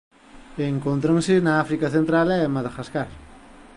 Encóntranse na África central e Madagascar.